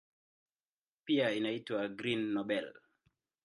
Pia inaitwa "Green Nobel".